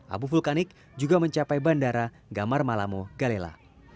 abu vulkanik juga mencapai bandara gamar malamo galela